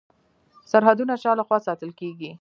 سرحدونه چا لخوا ساتل کیږي؟